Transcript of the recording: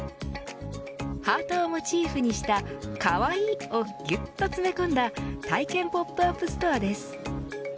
ハートをモチーフにしたＫＡＷＡＩＩをぎゅっと詰め込んだ体験型ポップアップストアです。